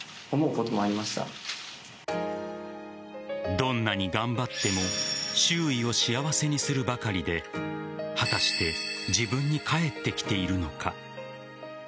どんなに頑張っても周囲を幸せにするばかりで果たして自分に返ってきているのか。